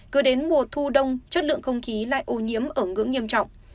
cứ đến mùa thu đông chất lượng không khí lại ô nhiễm ở ngưỡng nghiêm trọng